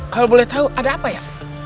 kalau boleh tahu ada apa ya